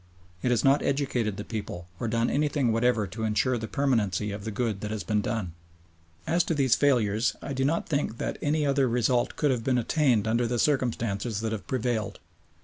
It has not educated the people, or done anything whatever to ensure the permanency of the good that has been done. As to these failures, I do not think that any other result could have been attained under the circumstances that have prevailed.